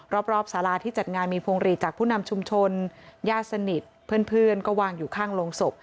รอบสาราที่จัดงานมีพวงหลีจากผู้นำชุมชนญาติสนิทเพื่อนก็วางอยู่ข้างโรงศพ